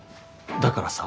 だからさ。